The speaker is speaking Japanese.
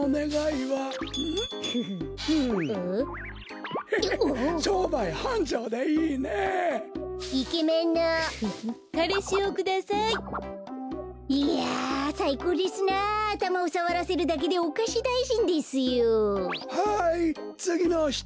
はいつぎのひと。